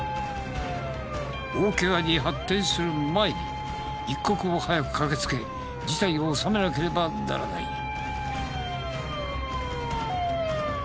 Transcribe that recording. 大ケガに発展する前に一刻も早く駆けつけ事態を収めなければならない。